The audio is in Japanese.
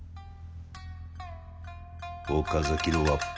岡崎のわっぱ。